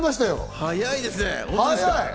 早いですね。